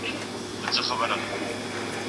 پښتون د هرې کورنۍ لپاره د ډاډ نښه ده.